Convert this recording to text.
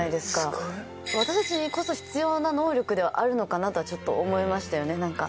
私たちにこそ必要な能力ではあるのかなとはちょっと思いましたよねなんか。